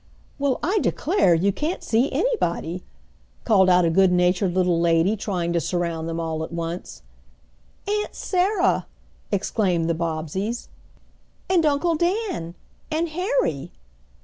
"Well, I declare, you can't see anybody," called out a good natured little lady, trying to surround them all at once. "Aunt Sarah!" exclaimed the Bobbseys. "And Uncle Dan!" "And Harry!"